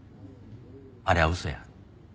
あれは嘘や。